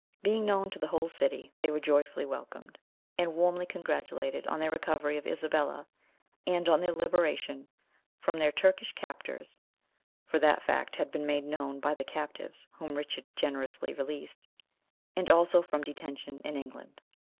Being known to the whole city, they were joyfully welcomed, and warmly congratulated on their recovery of Isabella, and on their liberation, from their Turkish captors (for that fact had been made known by the captives whom Richard generously released), and also from detention in England.